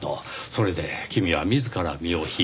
それで君は自ら身を引いた。